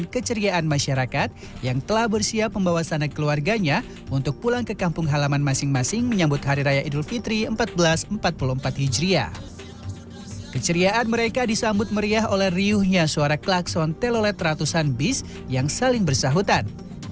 keceriaan mereka disambut meriah oleh riuhnya suara klakson telolet ratusan bis yang saling bersahutan